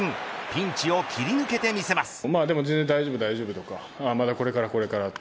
ピンチを切り抜けてみせます。